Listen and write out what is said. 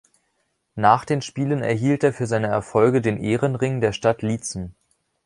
Nach den Spielen erhielt er für seine Erfolge den Ehrenring der Stadt Liezen.